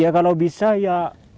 ya kalau bisa ya